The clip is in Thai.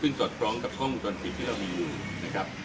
ซึ่งสอดพร้อมกับข้อมูลตอนนี้ที่เรามีอยู่นะครับ